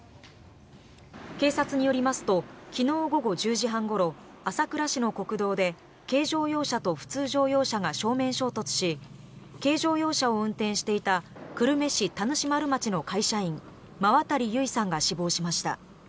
警察によりますと昨日午後１０時半ごろ朝倉市の国道で軽乗用車と普通乗用車が正面衝突し軽乗用車を運転していた久留米市田主丸町の会社員馬渡唯さんが死亡しました。